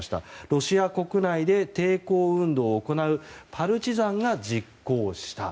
ロシア国内で抵抗運動を行うパルチザンが実行した。